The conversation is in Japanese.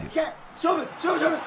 勝負勝負！